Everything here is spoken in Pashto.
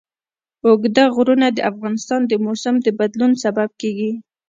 اوږده غرونه د افغانستان د موسم د بدلون سبب کېږي.